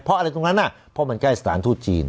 เพราะอะไรตรงนั้นเพราะมันใกล้สถานทูตจีน